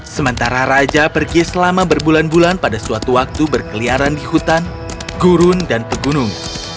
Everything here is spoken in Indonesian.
sementara raja pergi selama berbulan bulan pada suatu waktu berkeliaran di hutan gurun dan pegunung